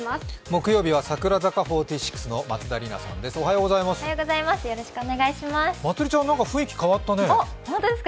木曜日は櫻坂４６の松田里奈ちゃんです。